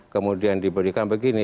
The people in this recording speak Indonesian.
kemudian diberikan begini